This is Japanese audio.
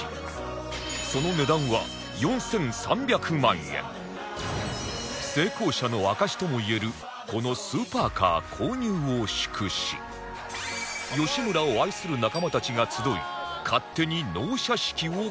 その値段は成功者の証しともいえるこのスーパーカー購入を祝し吉村を愛する仲間たちが集い勝手に納車式を開催！